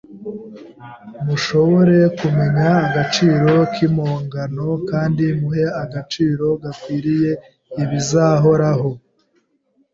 mushobore kumenya agaciro k’impongano, kandi muhe agaciro gakwiriye ibizahoraho